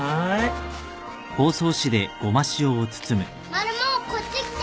マルモこっち来て。